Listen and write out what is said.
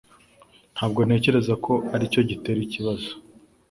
Ntabwo ntekereza ko aricyo gitera ikibazo.